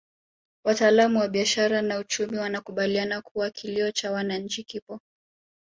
Wataalamu wa biashara na uchumi wanakubaliana kuwa kilio cha wananchi kipo